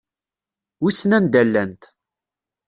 Wissen anda llant.